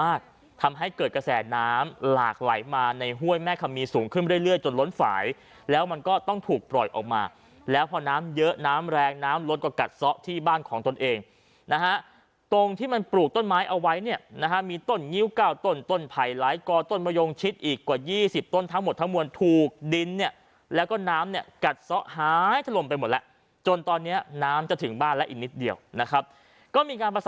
มากทำให้เกิดกระแสน้ำหลากไหลมาในห้วยแม่ขามีสูงขึ้นเรื่อยเรื่อยจนล้นฝ่ายแล้วมันก็ต้องถูกปล่อยออกมาแล้วพอน้ำเยอะน้ำแรงน้ำลดกว่ากัดซ่อที่บ้านของตนเองนะฮะตรงที่มันปลูกต้นไม้เอาไว้เนี่ยนะฮะมีต้นงิ้วก้าวต้นต้นไผล้กอต้นมโยงชิดอีกกว่ายี่สิบต้นทั้งหมดทั้งม